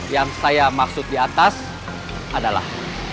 yang saya maksud di atas adalah